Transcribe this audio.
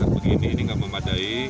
kalau agak besar begini ini gak memadai